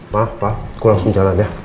maaf pak kok langsung jalan ya